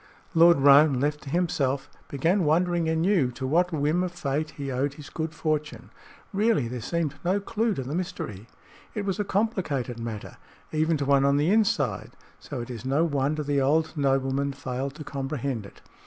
Lord Roane, left to himself, began wondering anew to what whim of fate he owed his good fortune. Really, there seemed no clue to the mystery. It was a complicated matter, even to one on the inside, so it is no wonder the old nobleman failed to comprehend it.